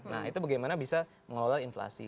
nah itu bagaimana bisa mengelola inflasi